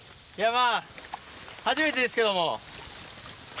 まぁ初めてですけども。